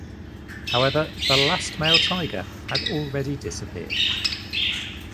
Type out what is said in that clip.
However, the last male tiger had already disappeared.